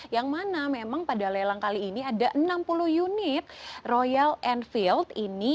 yang mana memang pada lelang kali ini ada enam puluh unit royal enfield ini